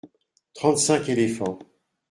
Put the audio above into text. Trente-cinq éléphants.